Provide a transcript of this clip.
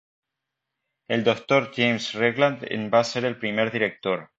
El doctor James Regland en va ser el primer director.